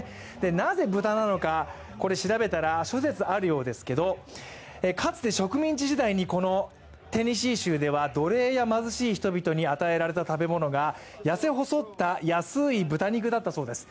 なぜ豚なのか、調べたら、諸説あるようですけど、かつて植民地時代に、このテネシー州では、奴隷や貧しい人に与えられた食べ物が痩せ細った安い豚肉だったそうです。